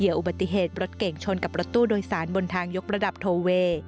อุบัติเหตุรถเก่งชนกับรถตู้โดยสารบนทางยกระดับโทเวย์